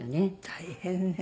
大変ね。